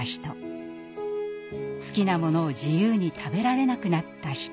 好きなものを自由に食べられなくなった人。